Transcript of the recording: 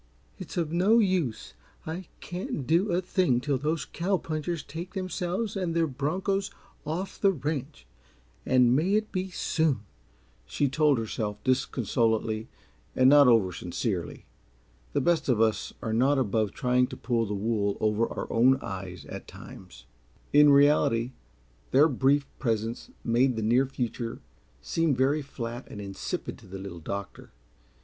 "It's of no use. I can't do a thing till those cow punchers take themselves and their bronchos off the ranch and may it be soon!" she told herself, disconsolately and not oversincerely. The best of us are not above trying to pull the wool over our own eyes, at times. In reality their brief presence made the near future seem very flat and insipid to the Little Doctor.